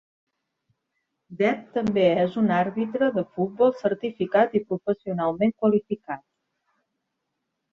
Dev també és un àrbitre de futbol certificat i professionalment qualificat.